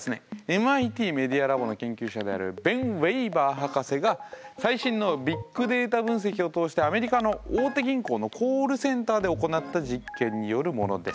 ＭＩＴメディアラボの研究者であるベン・ウェイバー博士が最新のビッグデータ分析を通してアメリカの大手銀行のコールセンターで行った実験によるものです。